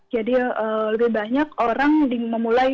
jadi lebih banyak orang memulai